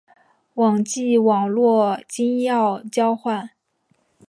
网际网路金钥交换。